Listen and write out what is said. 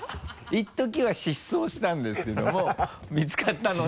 いっときは失踪したんですけども見つかったので。